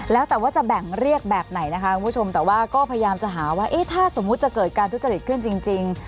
แล้วแต่ว่าจะแบ่งเรียกแบบไหนนะคะคุณผู้ชมแต่ว่าก็พยายามจะหาว่าเอ๊ะถ้าสมมุติจะเกิดการทุจริตขึ้นจริง